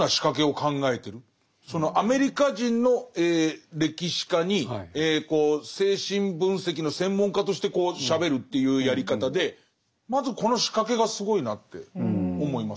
そのアメリカ人の歴史家に精神分析の専門家としてしゃべるというやり方でまずこの仕掛けがすごいなって思います。